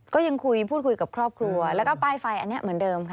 ก็ยังคุยพูดคุยกับครอบครัวแล้วก็ป้ายไฟอันนี้เหมือนเดิมค่ะ